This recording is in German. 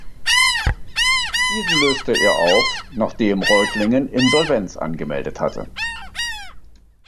Diesen löste er auf, nachdem Reutlingen Insolvenz angemeldet hatte.